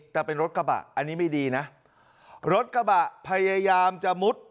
แต่เป็นรถกระบะอันนี้ไม่ดีนะรถกระบะพยายามจะมุด